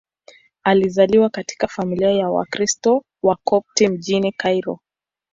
Alizaliwa katika familia ya Wakristo Wakopti mjini Kairo.